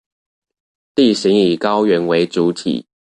地形以高原為主體